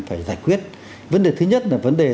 phải giải quyết vấn đề thứ nhất là vấn đề